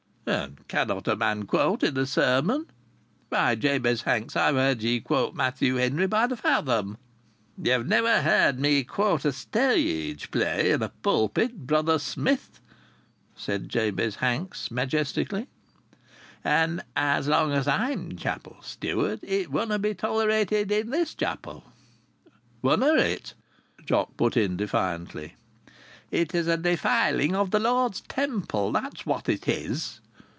"And cannot a man quote in a sermon? Why, Jabez Hanks, I've heard ye quote Matthew Henry by the fathom." "Ye've never heard me quote a stage play in a pulpit, Brother Smith," said Jabez Hanks, majestically. "And as long as I'm chapel steward it wunna' be tolerated in this chapel." "Wunna it?" Jock put in defiantly. "It's a defiling of the Lord's temple; that's what it is!"